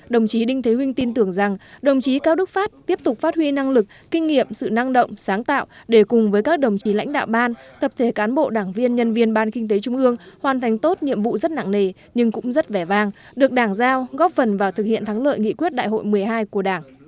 đồng chí đinh thế vinh tin tưởng rằng đồng chí cao đức pháp tiếp tục phát huy năng lực kinh nghiệm sự năng động sáng tạo để cùng với các đồng chí lãnh đạo ban tập thể cán bộ đảng viên nhân viên ban kinh tế trung ương hoàn thành tốt nhiệm vụ rất nặng nề nhưng cũng rất vẻ vang được đảng giao góp phần vào thực hiện thắng lợi nghị quyết đại hội một mươi hai của đảng